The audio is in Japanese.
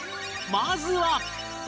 まずは